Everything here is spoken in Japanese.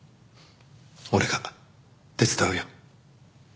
俺が手伝うよ。